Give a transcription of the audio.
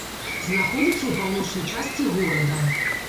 Знаходзіцца ў паўночнай частцы горада.